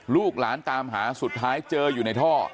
ลูกหลานตามหาสุดท้ายเจออยู่ในท่อ